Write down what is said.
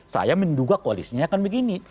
saya menduga koalisinya akan begini